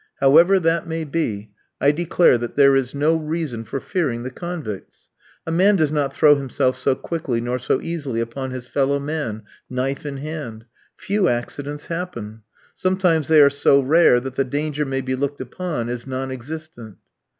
However that may be, I declare that there is no reason for fearing the convicts. A man does not throw himself so quickly nor so easily upon his fellow man, knife in hand. Few accidents happen; sometimes they are so rare that the danger may be looked upon as non existent.